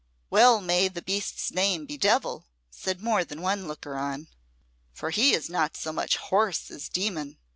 "Well may the beast's name be Devil," said more than one looker on; "for he is not so much horse as demon.